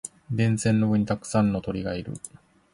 電線の上にたくさんの鳥がいる。